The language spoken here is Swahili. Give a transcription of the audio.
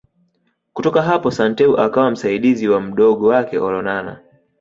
Kutoka hapo Santeu akawa msaidizi wa Mdogo wake Olonana